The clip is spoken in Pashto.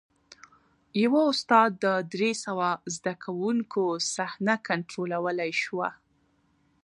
یوه استاد د درې سوه زده کوونکو صحنه کنټرولولی شوه.